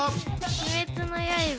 「鬼滅の刃」。